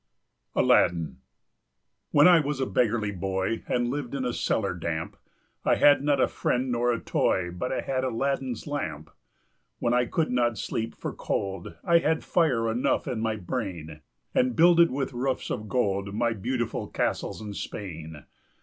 ALADDIN. When I was a beggarly boy, And lived in a cellar damp, I had not a friend nor a toy, But I had Aladdin's lamp; When I could not sleep for cold, 5 I had fire enough in my brain, And builded with roofs of gold My beautiful castles in Spain!